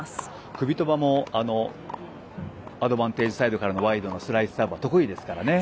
クビトバもアドバンテージサイドからのワイドのスライスサーブが得意ですからね。